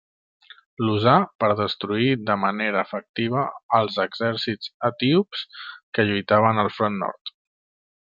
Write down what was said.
L'usà per destruir de manera efectiva als exèrcits etíops que lluitaven al front nord.